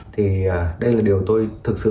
thì đây là điều tôi thực sự